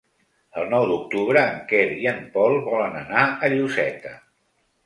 El nou d'octubre en Quer i en Pol volen anar a Lloseta.